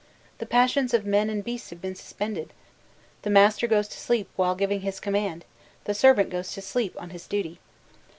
[the passions of men and beasts have been suspended]... the master goes to sleep while giving his command, the servant goes to sleep on his duty.